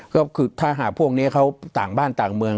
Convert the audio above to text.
ก็คือถ้าหากพวกนี้เขาต่างบ้านต่างเมือง